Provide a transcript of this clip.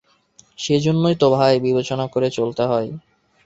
সেইজন্যই তো ভাই, বিবেচনা করে চলতে হয়।